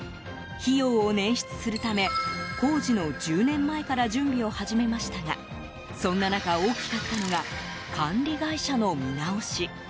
費用を捻出するため工事の１０年前から準備を始めましたがそんな中、大きかったのが管理会社の見直し。